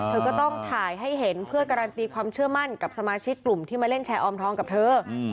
เธอก็ต้องถ่ายให้เห็นเพื่อการันตีความเชื่อมั่นกับสมาชิกกลุ่มที่มาเล่นแชร์ออมทองกับเธอ